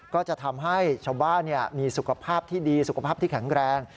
ก็จะทำให้ชาวบ้านมีสุขภาพที่ดีสุขภาพที่แข็งแรง